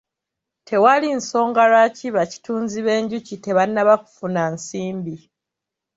Tewali nsonga lwaki bakitunzi b'enjuki tebannaba kufuna nsimbi.